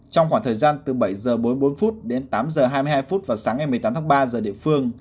trong khoảng thời gian từ bảy h bốn mươi bốn đến tám h hai mươi hai vào sáng ngày một mươi tám tháng ba giờ địa phương